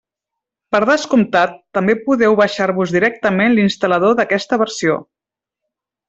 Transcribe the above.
Per descomptat, també podeu baixar-vos directament l'instal·lador d'aquesta versió.